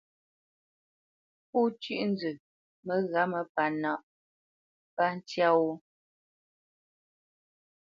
Pó cʉ́ʼ nzə məghǎmə pánǎʼ pá tyâ wó.